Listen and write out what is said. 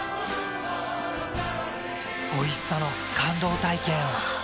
おいしさの感動体験を。